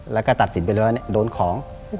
แล้วก็ตัดสินไปเลยว่าโดนของ